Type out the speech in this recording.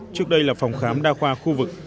trước đây là phòng khám đa khoa khu vực